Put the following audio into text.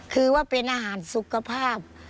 คือว่าเป็นอาหารสุขภาพ